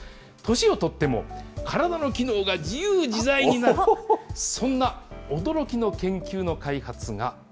年をとっても体の機能が自由自在になる、そんな驚きの研究の開発